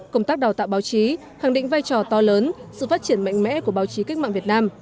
công tác đào tạo báo chí khẳng định vai trò to lớn sự phát triển mạnh mẽ của báo chí cách mạng việt nam